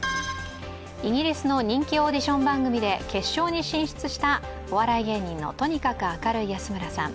イギリスの人気オーディション番組で決勝に進出したお笑い芸人のとにかく明るい安村さん。